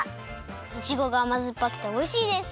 いちごがあまずっぱくておいしいです！